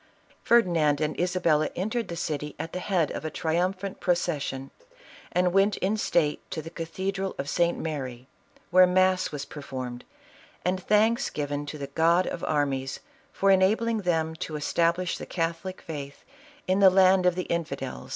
Ferdinand and Isabella entered the city at the head of a triumphant procession, and went in state to the cathedral of St. Mary, where mass was performed, and thanks given to the God of armies for enabling them to establish the catholic faith in the land of the infidels.